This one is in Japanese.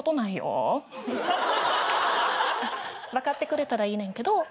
あっ分かってくれたらいいねんけど。